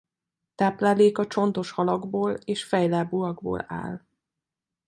Tápláléka csontos halakból és fejlábúakból áll.